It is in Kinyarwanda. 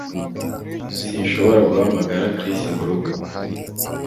Sinshobora guhamagara Chris murugo